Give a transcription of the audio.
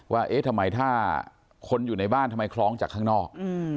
ว่าคนอยู่ในบ้านทำไมคล้องจากข้างนอก